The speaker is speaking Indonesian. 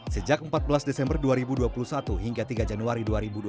sejak empat belas desember dua ribu dua puluh satu hingga tiga januari dua ribu dua puluh